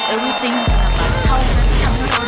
พี่ปอนด์